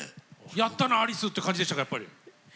やったなアリスって感じでしたか？